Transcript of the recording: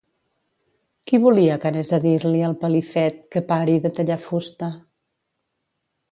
Qui volia que anés a dir-li al Pelifet que pari de tallar fusta?